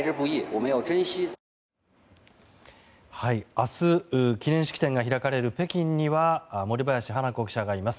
明日、記念式典が開かれる北京には森林華子記者がいます。